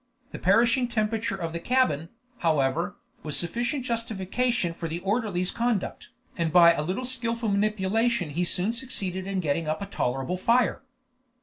The perishing temperature of the cabin, however, was sufficient justification for the orderly's conduct, and by a little skillful manipulation he soon succeeded in getting up a tolerable fire.